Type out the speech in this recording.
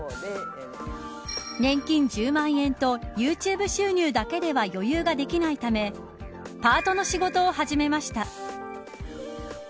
年金１０万円とユーチューブ収入だけでは余裕ができないためパートの仕事を始めました。